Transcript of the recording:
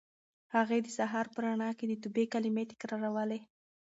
هغې د سهار په رڼا کې د توبې کلمې تکرارولې.